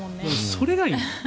それがいい。